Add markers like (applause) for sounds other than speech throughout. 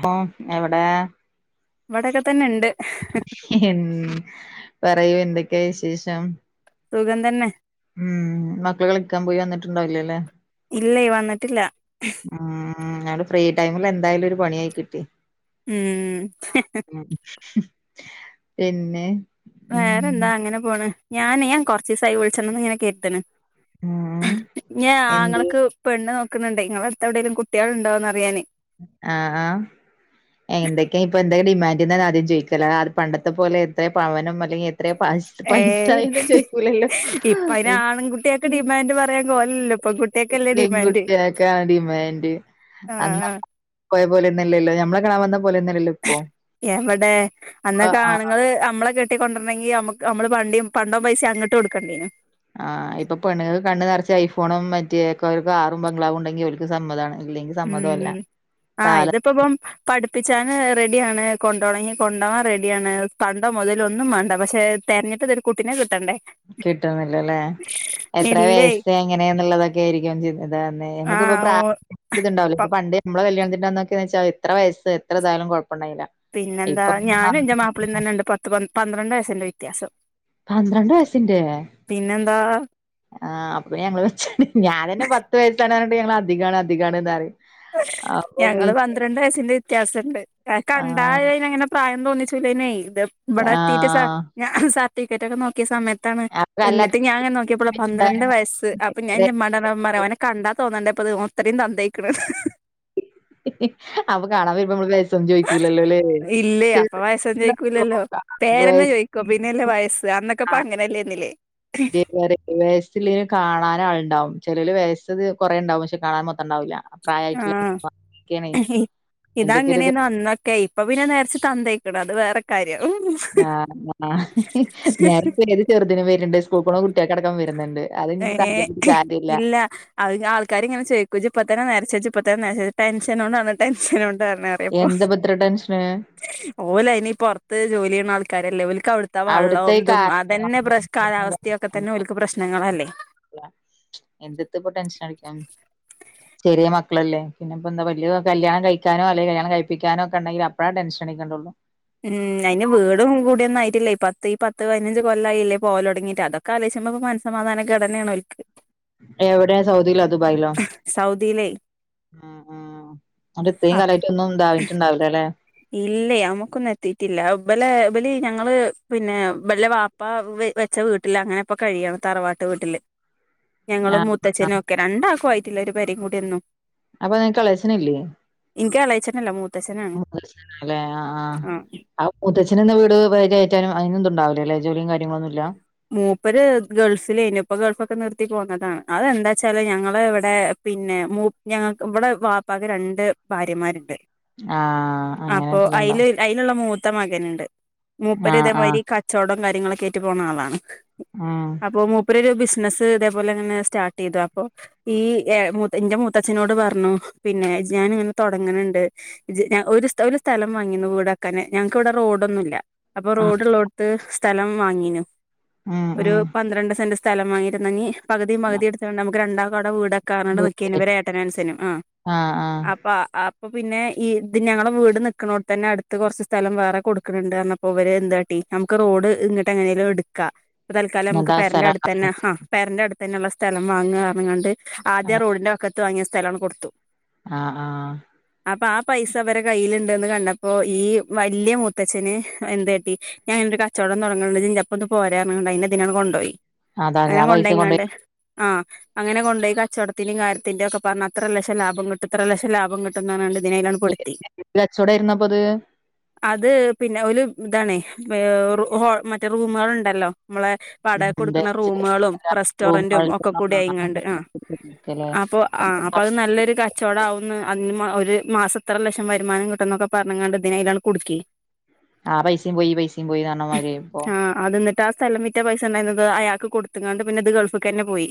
ഹേ എവടെ ഇവിടൊക്കെ തന്നെ ഇണ്ട് ഉം പറയൂ എന്തൊക്കെയാ വിശേഷം? സുഖം തന്നെ ഉം മക്കള് കളിക്കാൻ പോയി വന്നിട്ടുണ്ടാവില്ലല്ലെ ഇല്ലേ വന്നിട്ടില്ല. ഉം എന്തായാലും ഫ്രീ ടൈമില് എന്തായാലും ഒരു പണിയായി കിട്ടി. ഉം ഉം പിന്നെ ഉം വേറെ എന്താ അങ്ങനെ പോണ് ഞാന് ഞാൻ കൊർച്ചീസായി വിളിച്ചണംന്ന് ഇങ്ങനെ കര്ത്ണ്. ഉം ഞാ എന്ത് ആങ്ങളക്ക് പെണ്ണ് നോക്ക്ണ് ണ്ടേ നിങ്ങളെടുത്ത് എവിടേലും കുട്ട്യേള് ഉണ്ടോന്ന് അറിയാനേ ആഹ് ആഹ് എന്തൊക്കാ ഇപ്പെന്ത ഡിമാന്റ്ന്നാണ് ആദ്യം ചോയ്ക്കല ആ അത് പണ്ടത്തെ പോലെ എത്ര പവനും മറ്റെ എ എത്ര പസ് ഏഹ് പൈസായൊന്നും ചോയ്ക്കൂലല്ലോ ആഹ് എന്ത്പറയാ (unintelligible) പെൺകുട്ടിയാക്കാ ഡിമാന്റ് അന്നാ ആഹ് പോയ പോലന്നല്ലല്ലോ നമ്മള കാണാൻ വന്ന പോലൊന്നല്ലല്ലൊ എവിടെ അന്നൊക്കെ ആഹ് ആണുങ്ങള് നമ്മളെ കെ ട്ടി കൊണ്ട്രണെങ്കി അമക്ക് നമ്മള് പണ്ടി പണ്ടോം പൈസിം അങ്ങട്ട് കൊടുക്കണ്ടേനി ആഹ് ഇപ്പൊ പെണ്ണ്ങ്ങക്ക് കണ്ണ് നെർച്ച് ഐഫോണും മറ്റേ ഒക് കാറും ബംഗ്ലാവും ഉണ്ടെങ്കിൽ ഓൽക്ക് സമ്മതാണ് ഇല്ലെങ്കി ഉം ആ ഇത് ഇപ്പ ഇപ്പം പഠിപ്പിച്ചാന് റെഡിയാണ് കൊണ്ടോണെങ്കിൽ കൊണ്ടോവാൻ റെഡിയാണ് പ ണ്ടം മുതലോ ഒന്നും വേണ്ട പക്ഷെ തെരഞ്ഞിട്ട്ത് ഒരു കുട്ടിനെ കിട്ടണ്ടേ. കിട്ടുന്നില്ല അല്ലേ എത്ര ഇല്ലേ വയസ്സ് എങ്ങനെയന്നുള്ളതൊക്കെ ആയിരിക്കും ചി (unintelligible) ഇങ്ങക്ക് ഇപ്പൊ ആഹ് ഓ പ്രായ പ ഇത്ണ്ടാവുലേ പണ്ട് അമ്മളെ കല്യാണത്തിന്റ അന്നൊക്കെന്ന് വെച്ച ഇത്ര വയസ്സ് എത്രതായാലും കൊഴപ്പണ്ടായില്ല പിന്നെന്താ ഇപ്പൊ. ഞാനും എന്റെ മാപ്പിളിം (inaudible) തന്നെ ഉണ്ട് പത്ത് പന്ത്രണ്ട് വയസ്സിന്റെ വ്യത്യാസം. പന്ത്രണ്ട് വയസ്സിന്റെ പിന്നെന്താ ആ അപ്പ ഞങ്ങള് മെച്ചാണ് ഞാനന്നെ പ ത്ത് വയസാണ് പറഞ്ഞിട്ട് ഞങ്ങൾ അധികാണ് അധികാണ് എന്ന് പറയും. അപ്പൊ ഞങ്ങള് പിന്നെ പന്ത്രണ്ട് വയസിന്റെ വ്യത്യാസം ഉണ്ട് ഞാ കണ്ടാ ആഹ് അങ്ങനെ പ്രായം തോന്നിച്ചില്ലനേ ഇത് ഇവിടെ എത്തിയിട്ട് സർ ആഹ് ഞാ സർട്ടിഫിക്കറ്റ് ഒക്കെ നോക്കിയ സമയ ത്താണ് അപ്പൊ അല്ല എന്നിട്ട് ഞാനിങ്ങനെ നോക്കിയപ്പൊള പന്ത്രണ്ട് കഴിച്ചിട്ടുണ്ടായിരുന്നു വയസ്സ് അപ്പൊ ഞാൻ എന്റെ ഉമ്മാനോട് പറഞ്ഞപ്പൊ പറയുവാ ഓനെ കണ്ടാ തോന്നണ്ടേ അപ്പൊ കാണാതെ വരുമ്പൊ നമ്മള് ബേജാ ചോയ്ക്കൂലല്ലോ ഇല്ലേ അപ്പൊ വയസ്സൊന്നും (unintelligible) എല്ല വയസ് അന്നൊക്കെ അപ്പൊ അങ്ങനെയല്ലേന്നില്ലേ. (unintelligible) (unintelligible) കാണാൻ ആളുണ്ടാവും ചെലൊല് വയസത് കൊറേ ഉണ്ടാവും പക്ഷെ കാണാൻ മൊത്തം ഉണ്ടാവില്ല. ആഹ് എന്റെയൊക്കെ ഒരിത് ഇതങ്ങനേനു അന്നക്കയ്. ഇപ്പൊ പിന്നെ നേരത്തേ തന്ത ആയേക്കണ് അത് വേറെ കാര്യം. ആഹ് നെരപ്പ് ഏത് ചെറുതിനു വരനുണ്ട് സ്കൂളിൽ പോണ കു ട്ടികൾക്കടക്കം വരുന്നുണ്ട് അത് ഇനിയിപ്പോ ഏഹ് (unintelligible) കാര്യല്ല. ഇല്ല അത് ഞാ ആൾക്കാരിങ്ങനെ ചോയ്ക്കും ഇജ്ജ് ഇപ്പത്തന്നെ നരച്ചോ ഇജ്ജ് ഇപ്പത്തന്നെ നരച്ചോ ടെൻഷനോണ്ടാണ് ടെൻഷന് കൊ ണ്ടാണ് പറയും ഇപ്പം എന്താ ഇപ്പൊ ഇത്ര ടെൻഷന് ഓൽ അയ്നി പൊറത്ത് ജോലി ചെയ്യുന്ന ആൾക്കാരല്ലേ ഓൽക്ക് അവിടുത്തെ ത്തെ അവിടുത്തെ വള്ളവും ഈ കാ അതും അതന്നെ പ്രശ് കാലാവസ്ഥയൊക്കെ തന്നെ ഓൽക്ക് പ്രശ്നങ്ങളല്ലേ. ഇല്ല എന്റത്ത് ഇപ്പൊ ടെൻഷൻ അടിക്കാം (inaudible) ചെറിയ മക്കളല്ലേ പിന്നെപ്പെന്താ വല്യ കല്യാണം കഴിക്കാനോ അല്ലെങ്കി കല്യാണം കഴിപ്പിക്കാനൊ ഒക്കെ ഇണ്ടെങ്കിൽ അപ്പളാ ടെൻഷൻ അടിക്കണ്ട ഉള്ളു. ഉം അതിന് വീടും കുടിയൊന്നും അയിട്ടില്ലേ പത്ത് ഈ പത്ത് പതിനഞ്ച് കൊല്ലായില്ലേ പോവല് തുടങ്ങീട്ട് അതൊ ക്കെ ആലോചിക്കുമ്പൊ മനസ്സമാധാനക്കേട് തന്നെയാണ് ഓൽക്ക്. എവിടെയാ സൗദിയിലൊ ദുബായിലോ സൗദിയില്. ഉം ഉം അന്നിട്ട് ഇത്രയും കലമായിട്ട് ഒന്നും ഇണ്ടാവിട്ടുണ്ടാവില്ലേ അല്ലെ ഇല്ലേ നമു ക്കൊന്നും എത്തീട്ടില്ല ഇബല് ഇബല് ഞങ്ങള് പിന്നെ ഇബലുടെ ബാപ്പ വെ ച്ച വീട്ടിലാ അങ്ങനിപ്പൊ കഴിയണ് തറവാട്ട് വീട്ടില് ഞങ്ങളും ആഹ് മൂത്തച്ഛനും ആഹ് ഒക്കെ രണ്ടാൾക്കുമായിട്ടുള്ള ഒരു പെരെയും കൂടിയായിന്നു അപ്പൊ നിങ്ങക്ക് എളേച്ചനില്ലേ എനിക്ക് എളേച്ചനില്ല മൂത്തച്ചനാണേ. മൂത്തച്ചനാ അല്ലേ ആഹ് ആഹ് ആ മുത്തച്ഛൻ നിന്ന വീട് (unintelligible) അതിന് ഒന്നും ഉണ്ടാവില്ല അല്ലെ ജോലിയും കാര്യങ്ങളൊന്നുമില്ല മൂപ്പര് ഗൾഫിലായിന് ഇപ്പ ഗൾഫൊക്കെ നിറുത്തി പോന്നതാണ് അതെന്താ വച്ചാല് ഞങ്ങള് ഇവിടെ പിന്നെ മൂ ഞങ്ങക്ക് ഇവിടെ ബാപ്പാക്ക് രണ്ട് ഭാര്യമാരുണ്ട് ആഹ് അങ്ങനെ അപ്പൊ അതില് ഇതുണ്ടാവും അതിലുള്ള മൂത്ത മകനുണ്ട് മൂപ്പര് ആഹ് ഇതേ ആഹ് മാതിരി ക ച്ചോടം കാര്യങ്ങളൊക്കെ ആയിട്ട് പോണ ആളാണ് ആഹ് അപ്പൊ മൂപ്പര് ഒരു ബിസിനസ് ഇതേപോലെ അങ്ങന സ്റ്റാട്ട് ചെയ്തു അപ്പൊ ഈ എന്റെ മൂത്തച്ഛനോട് പറഞ്ഞു പിന്നെ ഞാൻ ഇങ്ങനെ തുടങ്ങണണ്ട് ജ്ജ് ഒരു ഒരു സ്ഥലം വാങ്ങി വീട് വെക്കാന് ഞങ്ങക്ക് ഇവിടെ റോടൊന്നുമില്ല അപ്പൊ ആഹ് റോഡുള്ളോടുത്ത് സ്ഥലം വാങ്ങീനു ഉം ഒരു ഉം പന്ത്രണ്ട് സെന്റ് സ്ഥലം വാങ്ങിയിരുന്നെങ്കി പകുതി പകുതി എടുത്താണ്ട് നമുക്ക് രണ്ടാക്കും അവിടെ വീടാ ക്കാന്ന് പറഞ്ഞോണ്ട് നിക്കുവാരുന്നു ഇവര് ഏട്ടനും അനുജനും ആഹ് ആഹ് അപ്പൊ പിന്നെ ഈ ഇത് ഞങ്ങള് വീട് നിക്കുന്നോടത്ത് തന്നെ അടുത്ത് കുറച്ച് സ്ഥലം വേറെ കൊടുക്കണണ്ട് പറഞ്ഞ പ്പോ ഇവര് എന്ത് കാട്ടി നമുക്ക് റോഡ് ഇങ്ങട്ട് എങ്ങനേലും എടു ക്കാം ഇപ്പൊ തൽക്കാലം എന്നിട്ട് നമക്ക് ആ പേരന്റെ സ്ഥലം അടുത്ത് തന്നെ ആ പെരേന്റെ അടുത്തന്നെ ഉള്ള സ്ഥലം വാങ്ങാന്ന് പറഞ്ഞെങ്ങാണ്ട് ആദ്യം ആഹ് റോഡിന്റെ വക്കത്ത് വാങ്ങിയ സ്ഥലമങ്ങ് കൊടുത്തു ആഹ് ആഹ് അപ്പൊ ആ പൈസ ഇവരെ കയ്യിലുണ്ടന്ന് കണ്ടപ്പോ ഈ വല്യ മുത്തച്ഛന് എന്തട്ടി ഞാനൻ ഒരു കച്ചവടം തുടങ്ങുന്നുണ്ട്പ്പൊന്ന് പോരാ റങ്ങണ്ട് അയിന്റെപോ ഇതിന കൊുപോയി അതാ ആ അങ്ങനെ പൈസ കൊണ്ടോയി കൊണ്ട്യിങ്ങാണ്ട് ആഹ് അങ്ങനെ കൊണ്ട് യി കച്ചവടത്തിന്റെയും കാര്യത്തിന്റെയും ഒക്കെ പറഞ്ഞ അത്ര ലക്ഷം ലാഭം കിട്ടും ഇത്ര ലക്ഷം ലാഭം കിട്ടും ട്ടുന്നർണണ്ട് ദിനയിലാണ് പെടുത്തി കച്ചവടം ആയിരുന്നപ്പോ ഇത് അത് പിന്നെ ഒരു ഇതാണ് ഹോ മറ്റേ റൂമുകൾ ഉണ്ടല്ലോ നമ്മളെ പട ഉം കൊടുക്കണ ഡസ്റ്റ് റൂമളും റൂം റെസ്റ്റോറന്റും ഒക്കെ കൂടി അയിങ്ങണ്ട് ആ ല്ലേ അപ്പൊ ആഹ് അപ്പൊ അത് നല്ലൊരു കച് ചോടാവുന്ന അതിന് ഒരു മാസംത്ര ലക്ഷം വരുമാനം കിട്ട എന്നൊക്കെ പറഞ്ഞാണ്ട് ഇതിനതിലാണ് കുടുക്കേ ആഹ് പൈസയും പോയി ഈ പൈസയും പോയി നറഞ്ഞ മാരിയായിഇപ്പോ ആഹ് അത ന്നട്ട് ആ സ്ഥലംവിറ്റാ പൈസ ഉണ്ടായിരന്നത് അയാൾക്ക് കൊടുത്താണ്ട് പിന്നെ ഇത് ഗൾഫിക്കെന്നെ പോയി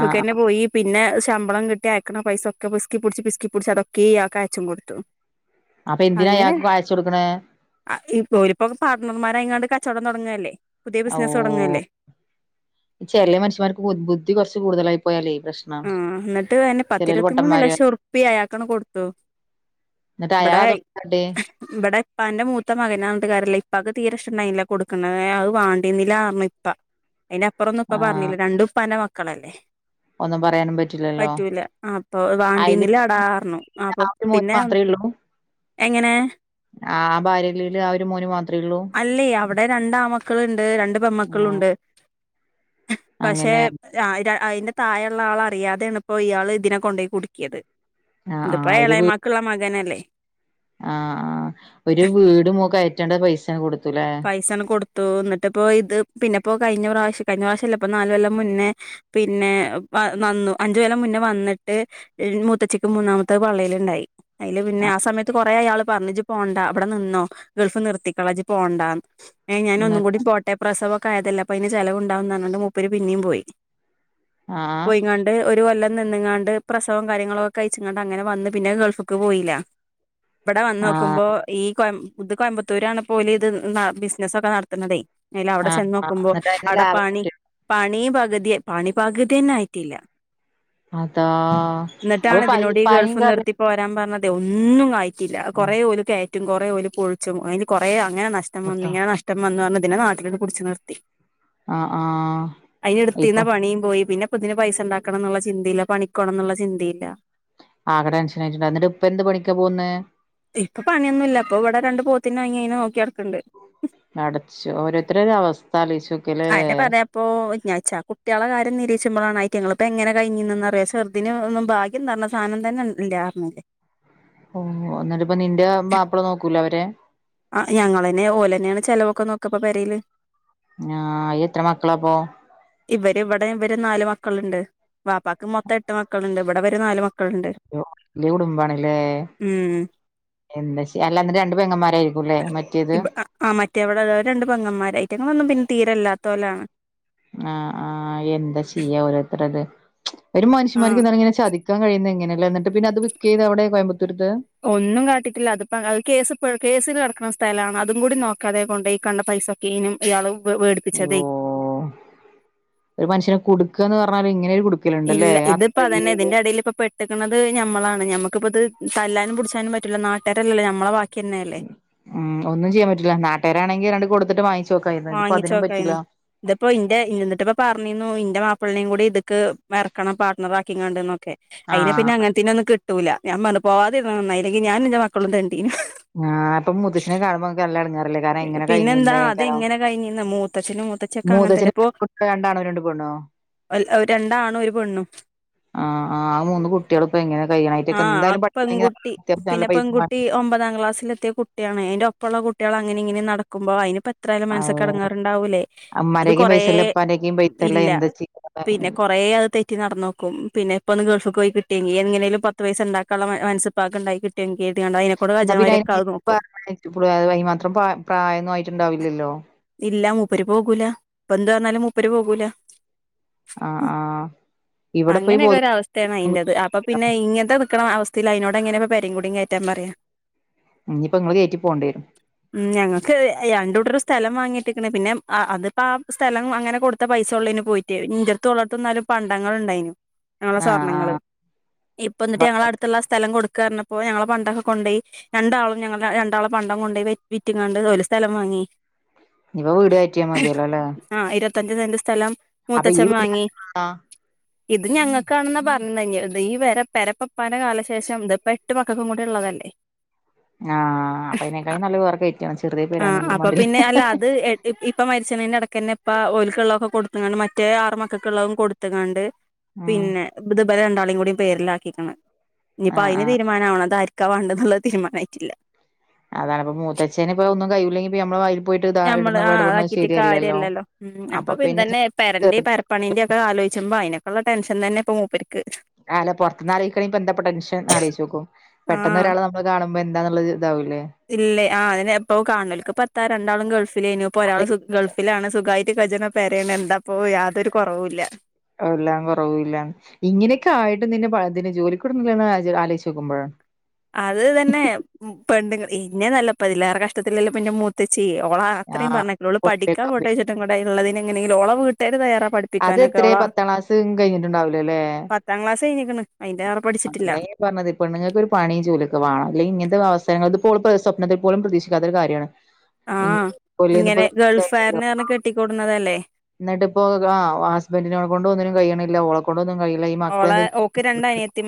ആ ആ. പോയി പിന്നെ ശമ്പളം കിട്ടി അയക്കണ പൈസ ഒക്കെ പിസ്ക്കി പിടിച്ച് പിസ്ക്കി പിടിച്ച് അതൊക്ക ഇയാക്ക് അയച്ചും കൊടുത്തു അപ്പൊ എന്തിനാ അയാൾക്ക് കാഴ്ച കൊടുക്കേ പോ ഒരു ഇപ്പോ പാർട്ണർമാര അങ്ങാണ്ട് കച്ചവടം തുടങ്ങുല്ലേ പുതിയ ബിസിനസ് തുടങ്ങല്ലേ ചിലിയ മനുഷമാർക്ക് ബുദ്ധി കുച്ച് കൂടുതലായി പോയാലേഈ പ്രശ്ം ആഹ് എന്നിട്ട് അയിനെ പത്തിരുപത്തിമൂന്ന് ലക്ഷം ഉറുപ്പി ആയാക്കണ കൊടുത്തു എന്നട്ട് ഇവിടെ അയാളതൊ (unintelligible) ഇവിടെ ഇപ്പ എന്റെ മൂത്തത്തെ മകനട്ട കാര്യല്ല ഇപ്പൊക്കെ തീരെ ഇഷ്ടണ്ടായില്ല കൊടുക്കണ അത് വാണ്ടീന്നില്ല ആറഞ് ഇപ്പാ അതിന്പ്പറൊന്നും ഇപ്പ ആ പറഞ്ഞില്ല രണ്ടുംപ്പന്റെ മക്കളല്ലേ ഒന്നും പറയാനും പറ്റും പറ്റൂല അപ്പൊ വാണ്ടീന്നില അടാർന്നു അപ്പൊ ആ ഒരു മോന് പിന്നെ എങ്ങനെ ആഹ് ആ ഭാര്യന്റെൽ ആ ഒരു മോന് മാത്ര ഉള്ളൂ അല്ല അവിടെ രണ്ട്ആ മക്കളുണ്ട് രണ്ട് ആ പെമക്കളുണ്ട് പക്ഷെ അങ്ങനെ ആഹ് അയിന്റെ തായള്ള ആൾ അറിയാതെയാണ് ഇപ്പോ ഇയാള് ഇതിനെ കൊണ്ടോയി കുടുക്കിയത് ആ ആ ഇത് പ്പോ എളേമാക്ക് ള്ളെ മകനല്ലേ ആഹ് ആ ഒരു വീട് മ്മു കയറ്റേണ്ട പൈസ കൊടുത്തൂലേ പൈസണ് കൊടുത്തു ന്നട്ടിപ്പോ ഇത് പിന്നെപ്പോ കഴിഞ്ഞ പ്രാവശ്യം കഴിഞ്ഞ പ്രാവശ്യല്ല പ്പ നാല് കൊല്ലം മുന്നേ പിന്നെ വന്നു അഞ്ചു കൊല്ലം മുന്നേ വന്ട്ട് മൂത്തചിക്ക് മൂന്നാമത്തെ പള്ളെൽണ്ടായി അയില് പിന്നെ ആ സമയത്ത് കൊറെ അയാള് പറഞ് ഇജ്ജ് പോണ്ട വിട നിന്നോ ഗൾഫ് നിർത്തിക്കളാ ഇജ്ജ് പോണ്ട ഞാന ഒന്നും എന്നിട്ട് കൂടി പോട്ട മറ്റേ പ്രസവൊക്കെ ആയതല്ലേ അപ്പൊ അന് ചെലവുണ്ടാവുന്ന പറഞ്ഞണ്ട് മുപ്പര് പിന്നെയും പോയി ആ പോയിണ്ട് ഒരു കൊല്ലം നിന്ങ്ങാണ്ട് പ്രസവം കാര്യങ്ങളോക്കെ കയ്ച്ങ്ങാണ്ട് അങ്ങനെ വന്ന് പിന്നെ ഗൾഫക്ക് പോയില്ലേ വിടെ ആഹ് വന്നോക്കുമ്പോ ഈ കൊയ ഇത് കോയമ്പത്തൂരാണ് പോല് ഇത് ബിസിനസ്സോക്ക നടത്ത്ന്നതേ അയിൽ അവിടെ ആഹ് ആഹ് ചെനോക്കുമ്പോ എന്നിട്ട് അതിന് അവിടെ ലാഭം പണി കിട്ടിയോ പണീ പക്തി പണി പക് തിന്നെ ആയിട്ടില്ല അതാ അപ്പൊ എന്നിട്ടാണ് പ ഇതിനോട് ഈ ഗൾഫ് പയങ്കറി നിർത്തി പോരാൻ പറഞ്ഞതെ ഒന്നും ആയിറ്റില്ല ആഹ് കോറേ ഓല് കയറ്റും കുറെ ഓല് പോയിച്ചും അയില് കൊറേ അങ്ങനെ നശിച്ച് നഷ്ടം വന്ന് ർഞ് കൊടുത്തോ ങ്ങനെ നഷ്ടം വന്ന് പറഞ് ഇതിനെ നാട്ടിലണ്ട് പിടിച്ചു നിർത്തി ആഹ് ആഹ് അയിന് എടുത്തീന്ന ഇപ്പൊ പണിം പോയി പിന്ന ഇപ്പതിന് പൈസ ണ്ടാക്കണം എന്നുള്ള ചിന്തയില്ല പണിക്കോണം എന്നുള്ള ചിന്തയില്ല ആകെ ടെൻഷൻ ആയിട്ടുണ്ടാകും എന്നിട്ട് ഇപ്പോ എന്ത് പണിക്കാ പോന്നേ ഇപ്പ പണിയൊന്നും ഇല്ല പ്പ ഇവിടെ രണ്ട് പോത്തിന വാങ്ങി അയിന നോക്കിടക്ക്ണ്ട് പടച്ചോ ഓരോരുത്തരെ ഒരു അവസ്ഥ ആലോയ്ച്ചോക്ക് ആന്നേ പറയാപ്പോ ഞാ ഇച്ച് കുട്ടിയാളെ കാര്യം നിരീച്ചുമ്പളാണ് ഐറ്റങ്ങള് ഇപ്പോ എങ്ങനെ കഴിഞ്ഞീന്നന്ന് റിയോ ചെറ് തിന് ഒന്നും ഭാഗ്യം നര്ണെ സാനംതന്നെ ഇല്ലാന്ന് റഞ്ഞിലെ ഓ നിട്ട് പ്പോ നിന്റെ മാപ്പിള നോക്കൂലെ അവരെ അ ഞങ്ങളന്നേ ഓലന്നെണ് ചലവൊക്ക നോക്ക പ്പോ പരേല് ആഹ് എത്ര മക്കളാപ്പോ ഇവര് ഇവിടെ ഇവര് നാല് മക്കള്ണ്ട് ബാപ്പാക്ക് മൊത്തം എട്ട് മക്കള്ണ്ട് ഇവടെ ഇവര് നാല് മക്കള്ണ്ട് യോ വെല്യാ കുടുംബാണ് ല്ലേ! ഹ്മ് എന്താച അല്ലാ രണ്ട് പെങ്ങന്മാരായിരിക്കും ലെ മറ്റേത്? ആഹ് മറ്റേവടെ അത് രണ്ട് പങ്ങന്മാര, റ്റങ്ങളൊന്നും പിന്നെ തീരല്ലാത്തോലാണ്. ആഹ് ആഹ് എന്ത ചെയ്യാ ഓരോരുത്തരത്, ഒരു ആഹ് മനുഷ്യന്മാർക്ക് ങ്ങനെ ചതിക്കാൻ കഴിയുന്നേ എങ്ങനെല്ലേ, എന്നിട്ട് പിന്ന അത് വിക്യ്തേ അവിടെ കോയമ്പത്തൂര്ത്തെ? ഒന്നും കാട്ടിട്ടില്ല, അതിപ്പോ അത് കേസ് കേസ് കിടക്കുന്ന സ്ഥലാണ് അതും കൂടി നോക്കാതെ കൊണ്ടോയി ഈ കണ്ട പൈസ കീനും ഇയാളും വെ യ്യോ ഒരു മനുഷ്യനെ കുടുക്കാന്ന് പറഞ്ഞാല് ഇങ്ങനെ ഒരു കുടു ഇല്ല ഇതിപ്പ അതന്നെ ഇതിന്റെ ഇടയിൽ പെട്ട് പെട്ട് കിടക്കണത് ഞമ്മളാണ് ഞമ്മക് പ്പോ ഇത് തല്ലാനും പുടിച്ചാനും പറ്റൂല നാട്ടാരല്ലല്ലോ ഞമ്മളെ ബാക്കിന്നല്ലേ മം ഒന്നും ചെയാൻ പറ്റുല്ല നട്ടാരാണങ്കി രണ്ട് കൊടുത്തിട്ട് വാങ്ങിച്ചു നോക്കായിരുന്നു ഇപ്പ അതിനും വാങ്ങിച്ചോക്കായിന്ന് പറ്റുല്ലാ. ഇതിപ്പോ ഇന്റെ എന്നിട്ട് പ്പോ പറഞ്ഞിരുന്നു ഇന്റെ മാപ്പിളനേം കൂടി ഇത്ക്ക് ഇറക്കണം പാർട്ണർ ആക്കിങ്ങാണ്ട് നോ അയിനാ പിന്ന ആഹ് അങ്ങനതേനൊന്നും കിട്ടൂല്ല ഞാൻ പറഞ് പോവാതിരുന്നേ നന്നായി അല്ലങ്കി ഞാനും ഇന്റെ മക്കളും തേണ്ടീനും. ആഹ് പ്പോ മൂത്തശിനെ കാണുമ്പോ ങ്ങ ങ്ങക്ക് നല്ല എടങ്ങേറ് ല്ലേ കാരണം എങ്ങനെ പിന്നെന്താ കഴിഞ്ഞിരുന്നേക്കാരം അതെങ്ങനെ കഴിഞ്ഞിന്ന് മൂത്തച്ഛനും മൂത്തച്ഛിയൊക്കെ അങ്ങനെ മൂതച്ഛന് തന്നെ ഇപ്പോ രണ്ടാനും രണ്ട് പെണ്ണോ? രണ്ടാണും ഒരു പെണ്ണും. ആഹ് ആഹ് ആമൂന്ന് കുട്ടിയാൾ പ്പൊ ഇങ്ങനെ കഴിയണോ അയിറ്റേക് ആഹ് എന്തായലും പട്ടിണി അത്യാവശ്യം നല്ല പൈസേം വേണ്ടേ കുട്ടി ഒമ്പതാം ക്ലാസിൽ എത്തിയ കുട്ടിയാണ് അയിന്റെ ഒപ്പള്ള കുട്ടിയാൾ അങ്ങനെ ഇങ്ങനെ നടക്കുമ്പോ അയിന് പ്പ എത്രായാലും അഹ് മനസ്സ്ക്ക്ടങ്ങാറുണ്ടാവൂലേ അത് അമ്മാരേക്കും കൊറേ പൈസല്ല ഇപ്പാന്റെക്കും പൈസല്ല ഇല്ല എന്താ ചെയ്യാ പിന്നെ കൊറേ അ ത് തെറ്റി കട്ടി നടന്നോും പിന്നെ ഇപ്പോൊന്ന് ഗൾഫ് പോയി കിട്ടെങ്കി എങ്ങനെങ്കും പത്ത് പയസ്സ ഉണ്ടാക്കാനുള്ള മനസ്സപ്പാക്ക് ഉണ്ടാക്കിട്ടും എനിക്ക്തിണ്ട അതിനെക്കൂ വജനമാരൊക്കെത് നോക്കും. ഇ അതിനും മാത്രം പ്രായമന്ന ആയിട്ട്ണ്ടാവില്ലല്ലോ? ഇല്ല മൂപ്പര് പോകൂല ഇപ്പ എന്ത് പറന്നാലും മൂപ്പര് പോകൂല. ആഹ് ആഹ് ഇവിടെ പോയി അങ്ങനെയൊക്കെ ഒര അവസ്ഥ യ ബോധി അതിറ അപ്പ പിന്നെങ്ങനത്തെ നിക്കണ അവസ്ഥയി അതിനോട് എങ്ങനെ പെരുംങ്കടും കയറ്റാൻ പറയാം! ഇനി ഇപ്പ നിങ്ങള് കയറ്റി പോവേണ്ടി വരും. ഉ ഞങ്ങൾക്ക് ഇത് രണ്ടൂട്ടരും സ്ഥലം വാങ്ങിട്ട്ക്ക്ണ് പിന്നെ അ അതിപ്പ ആ സ്ഥലം അങ്ങനെ കൊടുത്ത പൈസ ഉള്ളയിനു പോയിട്ട് ഇന്റെട്ത്തു ഓളട്ത്തു എന്നാലും പണ്ടങ്ങൾ ണ്ടായിനു ഞങ്ങളെ ആഹ് സ്വർണങ്ങള് ഇപ്പ എന്നിട്ട് ആഹ് ഞങ്ങളെടുത്തുള്ള സ്ഥലം കൊടുക്കാപറഞ്ഞപ്പോ ഞങ്ങളെ പണ്ടക്കെ കൊണ്ടോയി രണ്ടാളും ഞങ്ങള രണ്ടാളും പണ്ട കൊണ്ട പോയി വിറ്റിങ്ങാണ്ട് ഒരു സ്ഥലം വാങ്ങി. ഇപ്പ വീട് കയറ്റിയൽ മതിയല്ലോ അല്ലേ ആ ഇരുപത്തഞ്ഞു സെന്റ് സ്ഥലം മൂത്തച്ഛം വീട് വാങ്ങി. ആ ഇത് ഞങ്ങൾക്കാണെന്നാ പറഞ്ഞ ക ഇത് ഈ വ പരപ്പാന്റെ കാലശേഷം ഇത് ഇപ്പം എട്ട് പക്കും കൂടി ഉള്ളതല്ലേ (inaudible) ആഹ് അപ്പ അതിനെക്കാ നല്ല പേർക്ക കയറ്റണം ചെറിയ പേരാണെങ്കിലും മണ്ടില് ഇപ്പൊ മരിച്ചണിന്റെ ഇടക്ക തന്നെ ഇപ്പ ഓലക്കുള്ളള്ളൊക്കെ കൊടുത്തണ്ട് മറ്റേ ആറ മക്കൾക്കള്ളവും കൊടുത്തണ്ട്. ഉം പിന്നെ ഇതിപ്പം രണ്ടാളിയും കൂട പേരില ആക്കിക്കാണ്‌ ഇനിപ്പ ആഹ് അതിന് ആഹ് തീരുമാനമാവ അത ആരിക്കാ വേണ്ടെന്നുള്ള തീരുമാനമായിട്ടില്ല. അതാണ് അപ്പ മൂത്തച്ഛന് ഇപ്പ ഒന്നും കയില്ലെങ്കി നമ്മ നമ്മള് ആതാക്കിട്ട് കാര്യമല്ലല്ലോ ഉം അപ്പൊ പിന്നതന്നെ പരണ്ട പണീൻറെ ഒക്കെ ആലോചുമ്പോൾതിനക്കുള്ള ൻഷൻ തന്നെപ്പോൾ മൂപ്പരിക്ക്. അല്ല പുറത്തനിന്ന് അറിയിക്കണെ എന്ത ടെൻഷൻന്ന് അറിയിച്ച നോക്കും പെട്ടന്ന ആഹ് ഒരാൾ കാണുമ്പോ എന്താന്നുള്ളത് ഇതാവൂല്ലേ. ഇല്ലേ ആ അെ എപ്പ കാണലക്ക് ഇ പത്താ രണ്ടാളും ഗൾഫ് പ്പിലന ഇപ്പോ അത് ഒരാളു ഗൾഫിലാണ് സുഖായിട്ട് കജന പരാണ് എന്താപ്പോ യാതൊരു കുറവല്ല. എല്ലാം കുറവൂല്ല ഇങ്ങനെയൊക്കെ ആയിട്ടും നിന്നെ ജോലിക്ക് വിടുന്നല്ലൊന്ന് ആലോചിച്ച് നോക്കുമ്പോഴാണ് അത് തന്നെ പെണ്ണുങ്ങൾ എന്നെ നല്ല ഇതിലേറെ കഷ്ടത്തില്ലാം പിന്നെ അത്തച്ചി ഓള അത്രയും പറഞ്ഞള് പഠിക്കാ ആഹ് പോട്ടേ ചുട്ടും കൂടെ ഉള്ളതിനെ (unintelligible) വീട്ടേര് തയാറാ പഠ അത് എത്ര പത്താം ക്ലാസ് കഴിഞ്ഞിട്ടുണ്ടാവലല്ലേ പത്താം ക്ലാസ് കഴിഞ്ഞിക്ക്ണ് അതിന്റെറെ പഠിച്ചിട്ടില്ല ഞാൻ പറഞ്ഞത് ഇപ്പൊ പെണ്ണുങ്ങൾക്ക് ഒരു പണിയും ജോലി ഒക്കെ വേണം അല്ലെങ്കിൽ ഇങ്ങനത്തെ അവസരങ്ങ ഇപ്പോൾ സ്വപ്നത്തിൽ പോലും പ്രതീക്ഷിക്കാത്ത ഒരു കാര്യമാണ് ആഹ ഇങ്ങനെ ഗൾഫ്കാരനെ പറഞ്ഞു കെട്ടിക്കൊടുന്നതല്ലേ എന്നിട്ട് ഇപ്പോ ആ ഹസ്ബൻറിനെ കൊണ്ട് ഒന്നിനും കഴിയണില്ല ഓളെ കൊണ്ടും കൊണ്ടോന്നും കഴിയണില്ല മക്കള എ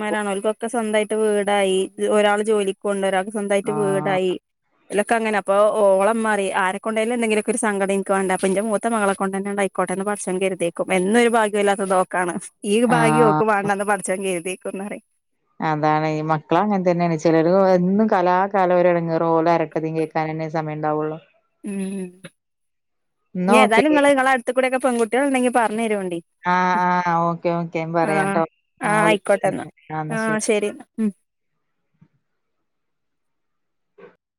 മാരണോ അവർക്കൊക്കെ സ്വന്തമായിട്ട് വീടായി ഒരാൾ ജോലിക്ക കൊണ്ട് ഒരാൾക്ക് സ്വന്തമായിട്ട് ആഹ് വീടായി ഇലൊക്കെങ്ങനെ അപ്പ ഓം മാറി ആരെക്കണ്ടല്ല എന്തെങ്കിലും ഒരു സങ്കടംനിനക്ക വേണ്ട അപ്പ ഇന്റെ മൂത്ത മകളെ കൊണ്ട് ത ന്നെ ഉണ്ടായി ആക്കോട്ടെന്ന് പടച്ചോൻ കരുതേക്കും എന്നൊരു ഭാഗ്യമില്ലാത്തതോക്കാണ് ഈ ഭാഗ്യം ആഹ് ഓൾക്ക് വാണ്ടന്ന പടച്ചോൻ എഴുതിക്കുന്നാണ് അതാണ് ഈ മക്കള അങ്ങനെ തന്നെയാണ് ചിലർ എന്നും കലാകാലംടങ്ങ് റോൾ അര പം കേൾക്കാൻ തന്ന സമയ ഉണ്ടാവുള്ളൂ ഉം എന്നാ ഇനി ഏതായാലും ഓക്കെടി നിങ്ങള് നിങ്ങളെ അടുത്ത കൂടെക്കെ പെൺകുട്ടികൾ ഉണ്ടെങ്കിൽ പറഞ്ഞഞ് തരുവേണ്ടി ആഹ് ആഹ് ഓക്കെ ഓക്കെ പറയാം കേട്ടോ ആ വിളി ആ എന്നാ ശരി ഉം